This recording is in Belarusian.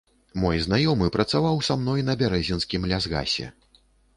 Мой знаёмы працаваў са мной на бярэзінскім лясгасе.